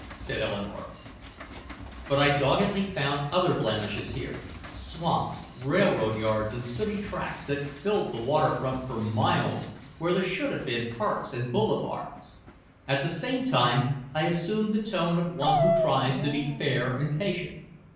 said Eleanore. But I doggedly found other blemishes here swamps, railroad yards and sooty tracks that filled the waterfront for miles where there should have been parks and boulevards. At the same time I assumed the tone of one who tries to be fair and patient.